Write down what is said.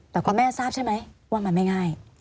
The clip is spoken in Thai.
แต่คุณแม่ทราบใช่ไหมว่ามันไม่ง่าย